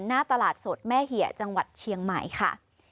หน้าตลาดสดแม่เหี่ยจังหวัดเชียงใหม่ค่ะ